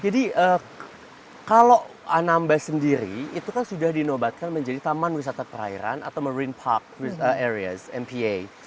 jadi kalau anambas sendiri itu kan sudah dinobatkan menjadi taman wisata perairan atau marine park area mpa